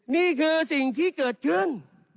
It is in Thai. นี่คือสิ่งที่เกิดขึ้น